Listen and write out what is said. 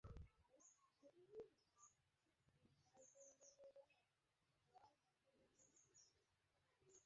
আমরাই প্রথম এদেরকে খুঁজে বের করেছি।